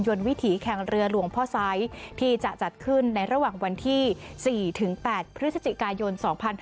วิถีแข่งเรือหลวงพ่อไซส์ที่จะจัดขึ้นในระหว่างวันที่๔๘พฤศจิกายน๒๕๖๒